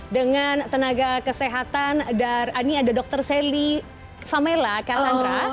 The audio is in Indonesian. dengan tenaga kesehatan ini ada dr sally famella kak sandra